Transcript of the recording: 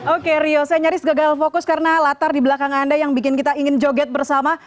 oke rio saya nyaris gagal fokus karena latar di belakang anda yang bikin kita ingin joget bersama